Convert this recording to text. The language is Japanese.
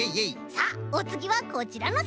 さあおつぎはこちらのさくひん！